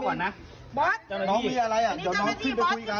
ก่อนนะน้องมีอะไรอ่ะเดี๋ยวน้องขึ้นไปคุยกัน